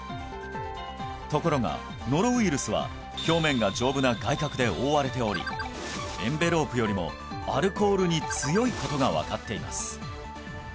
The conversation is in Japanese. ところがノロウイルスは表面が丈夫な外殻で覆われておりエンベロープよりもアルコールに強いことが分かっています